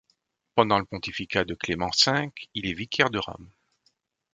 Pendant le pontificat de Clément V, il est vicaire de Rome.